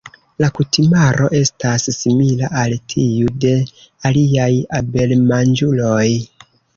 La kutimaro estas simila al tiu de aliaj abelmanĝuloj.